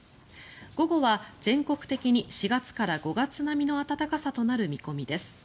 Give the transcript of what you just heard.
午後は全国的に４月から５月並みの暖かさとなる見込みです。